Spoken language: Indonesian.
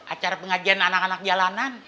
acara pengajian anak anak jalanan